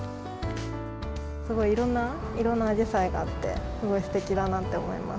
すごいいろんな色のあじさいがあって、すごいすてきだなって思います。